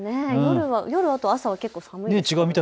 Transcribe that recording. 夜と朝は結構、寒いですよね。